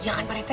iya kan pak rete